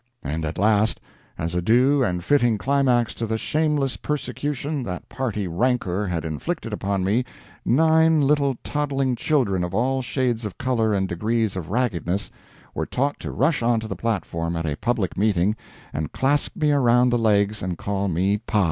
And at last, as a due and fitting climax to the shameless persecution that party rancor had inflicted upon me, nine little toddling children, of all shades of color and degrees of raggedness, were taught to rush onto the platform at a public meeting, and clasp me around the legs and call me PA!